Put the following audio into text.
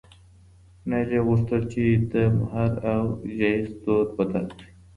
نایله غوښتل چې د مهر او جهیز دود بدل کړي.